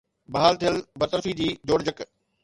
بحال ٿيل برطرفي جي جوڙجڪ